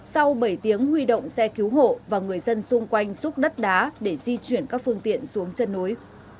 sau bảy tiếng huy động xe cứu hộ và người dân xung quanh xúc đất đá để di chuyển các phương tiện xuống chân núi